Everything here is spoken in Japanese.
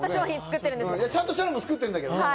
ちゃんとしたのも作ってるんだけどね。